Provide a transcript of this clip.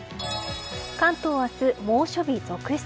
関東は明日、猛暑日続出。